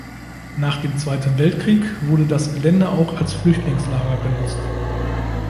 Nach dem Zweiten Weltkrieg wurde das Gelände auch als Flüchtlingslager genutzt.